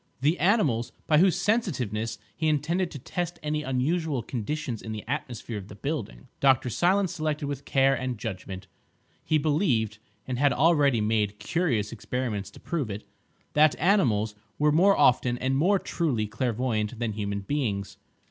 The animals, by whose sensitiveness he intended to test any unusual conditions in the atmosphere of the building, Dr. Silence selected with care and judgment. He believed (and had already made curious experiments to prove it) that animals were more often, and more truly, clairvoyant than human beings.